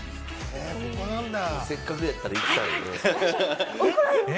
せっかくやったら行きたいですね。